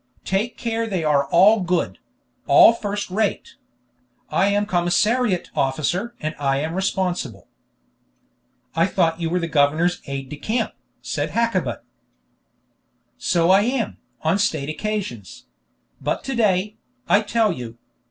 Take care they are all good; all first rate. I am commissariat officer, and I am responsible." "I thought you were the governor's aide de camp," said Hakkabut. "So I am, on state occasions; but to day, I tell you.